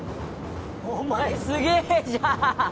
お前すげえじゃん！